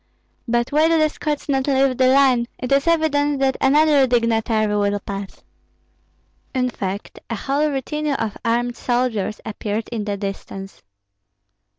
But why do the Scots not leave the line? It is evident that another dignitary will pass." In fact, a whole retinue of armed soldiers appeared in the distance.